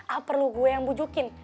apa lo gue yang bujukin